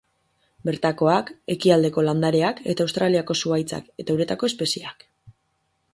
Bertakoak, ekialdeko landareak eta Australiako zuhaitzak, eta uretako espezieak.